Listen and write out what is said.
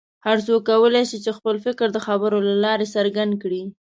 هر څوک کولی شي چې خپل فکر د خبرو له لارې څرګند کړي.